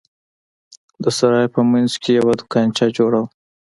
د سراى په منځ کښې يوه دوکانچه جوړه وه.